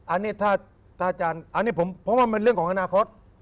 อันนี้ถ้าอาจารย์อันนี้ผมเพราะว่ามันเรื่องของอนาคต